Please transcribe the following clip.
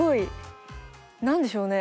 何でしょうね